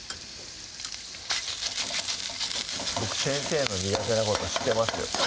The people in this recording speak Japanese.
僕先生の苦手なこと知ってますよ